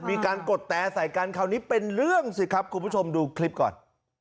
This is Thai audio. กดแต่ใส่กันคราวนี้เป็นเรื่องสิครับคุณผู้ชมดูคลิปก่อน